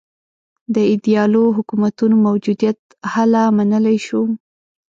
د ایدیالو حکومتونو موجودیت هله منلای شو.